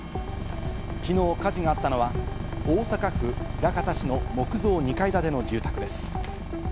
昨日、火事があったのは大阪府枚方市の木造２階建ての住宅です。